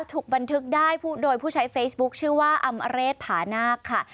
ถูกบันทึกได้โดยผู้ใช้เฟซบุ๊คชื่อว่าอำเรศผานาคค่ะ